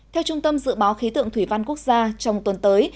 theo trung tâm dự báo khí tượng thủy văn quốc gia trong tuần tới